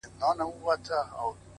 چي مي دا خپلي شونډي-